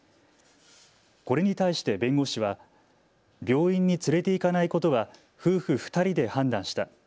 これに対して弁護士は病院に連れて行かないことは夫婦２人で判断した。